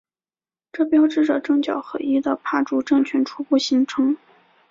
这标志着政教合一的帕竹政权初步形成。